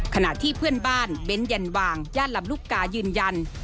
ขณะที่เพื่อนบ้านเบ้นยันวางย่านลำลูกกายืนยัน